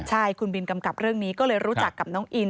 ใช่คุณบินกำกับเรื่องนี้ก็เลยรู้จักกับน้องอิน